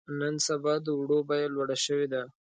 نن سبا د وړو بيه لوړه شوې ده.